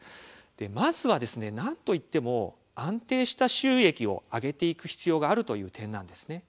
まずは、なんといっても安定した収益を上げていく必要があるという点なんです。